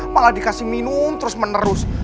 malah dikasih minum terus menerus